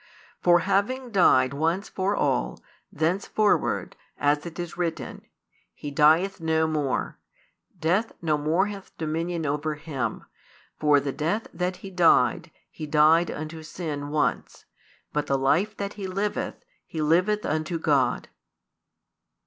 For having died once for all, thenceforward, as it is written, He dieth no more; death no more hath dominion over Him. For the death that He died, He died unto sin once: but the life that He liveth, He liveth unto God.